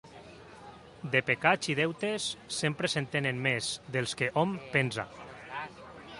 De pecats i deutes, sempre se'n tenen més dels que hom pensa.